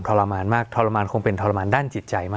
สวัสดีครับทุกผู้ชม